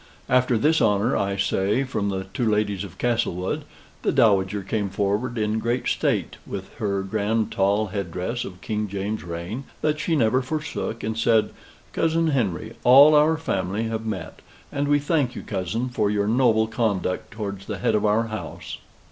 After this honor, I say, from the two ladies of Castlewood, the Dowager came forward in great state, with her grand tall head dress of King James's reign, that, she never forsook, and said, "Cousin Henry, all our family have met; and we thank you, cousin, for your noble conduct towards the head of our house."